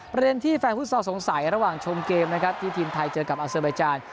ประเด็นที่แฟนฟุตซอลสงสัยระหว่างชมเกมนะครับที่ทีมไทยเจอกับอาเซอร์บายจาน